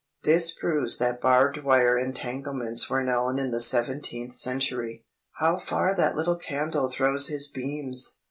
This proves that barbed wire entanglements were known in the seventeenth century. "How far that little candle throws his beams!"